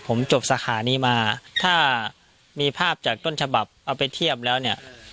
ผมจบสาขานี้มาถ้ามีภาพจากต้นฉบับเอาไปเทียบแล้วเนี่ย